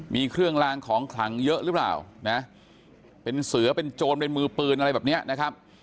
มีเครื่องลางของขลังเยอะหรือเปล่านะเป็นเสือเป็นโจรเป็นมือปืนอะไรแบบนี้นะครับ